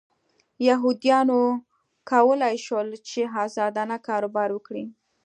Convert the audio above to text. یهودیانو کولای شول چې ازادانه کاروبار وکړي.